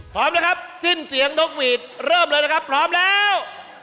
พร้อมนะครับสิ้นเสียงนกหวีดเริ่มเลยนะครับพร้อมแล้ว